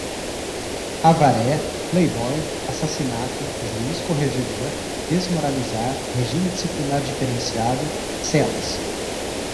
Avaré, Playboy, assassinato, juiz-corregedor, desmoralizar, regime disciplinar diferenciado, celas